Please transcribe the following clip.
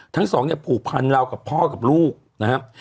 ทั้งสองเนี่ยผูกพันเรากับพ่อกับลูกนะครับ